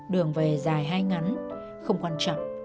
đường về dài hay ngắn không quan trọng